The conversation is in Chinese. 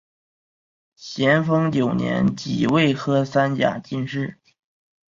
咸丰九年己未科三甲进士。